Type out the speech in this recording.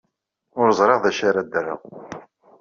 Ur ẓriɣ d acu ara d-rreɣ.